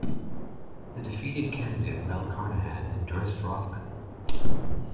The defeated candidate Mel Carnahan endorsed Rothman.